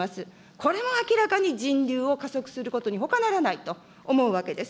これは明らかに人流を加速することにほかならないと思うわけです。